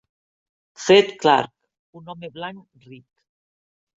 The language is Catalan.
Fred Clarke: un home blanc ric.